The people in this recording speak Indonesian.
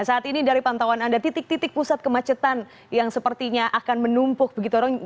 saat ini dari pantauan anda titik titik pusat kemacetan yang sepertinya akan menumpuk begitu orang